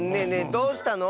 どうしたの？